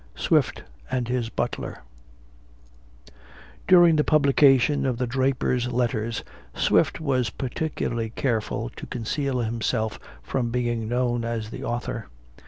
SWIFT AND HIS BUTLER During the publication of the Drapers Letters, Swift was particularly careful to conceal himself from being known as the author.